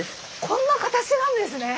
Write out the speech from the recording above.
こんな形なんですね。